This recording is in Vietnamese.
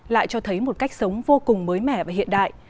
lại cho thấy một cách sống vô cùng mới mẻ và hiện đại